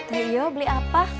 teh iyo beli apa